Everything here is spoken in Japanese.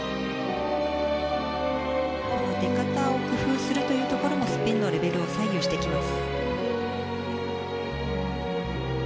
この出方を工夫するというところもスピンのレベルを左右してきます。